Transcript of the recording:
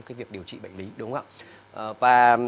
cái việc điều trị bệnh lý đúng không ạ